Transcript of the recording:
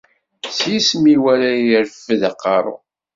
S yisem-iw ara ireffed aqerru.